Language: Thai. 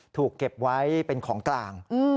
ถูกเก็บไว้เป็นของกลาง